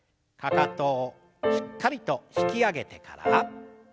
かかとをしっかりと引き上げてから。